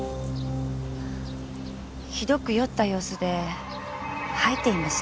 ひどく酔った様子で吐いていました。